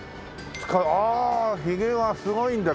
ああヒゲがすごいんだ。